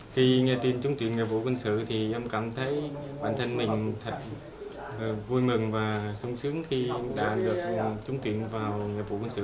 khi nghe tin trúng tuyển nghĩa vụ quân sự thì em cảm thấy bản thân mình thật vui mừng và sung sướng khi đã được trúng tuyển vào nghiệp vụ quân sự